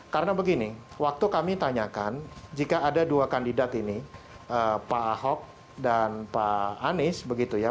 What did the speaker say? karena begini waktu kami tanyakan jika ada dua kandidat ini pak ahok dan pak anies begitu ya